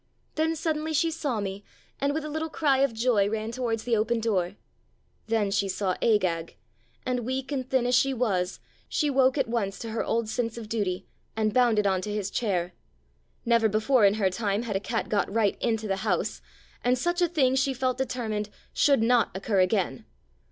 Then suddenly she saw me, and with a little cry of joy ran towards the open door. Then she saw Agag, and, weak and thin as she was, she woke at once to her old sense of duty, and bounded on to his chair. Never before in her time had a cat got right into the house, and such a thing, she felt determined, should not occur again.